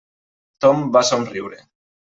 Tom va somriure.